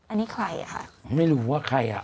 อันนี้ใครอ่ะไม่รู้ว่าใครอ่ะ